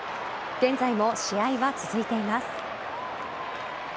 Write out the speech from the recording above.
現在も試合は続いています。